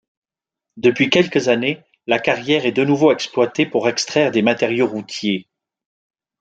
Depuis quelques années, la carrière est de nouveau exploitée pour extraire des matériaux routiers.